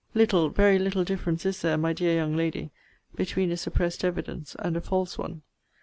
Little, very little difference is there, my dear young lady, between a suppressed evidence, and a false one.